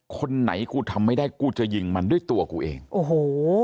คนไหนกูทำไม่ได้กูจะยิงมันด้วยตัวกูเองโอ้โห